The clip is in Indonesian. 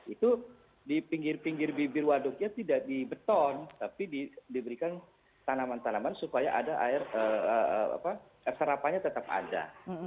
itu di pinggir pinggir bibir waduknya tidak di beton tapi diberikan tanaman tanaman supaya ada air sarapannya tetap ada